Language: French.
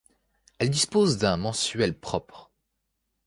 Elle dispose d'un mensuel propre.